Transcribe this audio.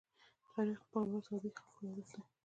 تاریخ د خپل ولس د عادي خلکو يادښت دی.